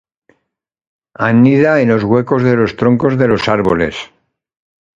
Anida en los huecos de los troncos de los árboles.